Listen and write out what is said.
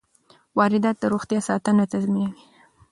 واردات د روغتیا ساتنه تضمینوي.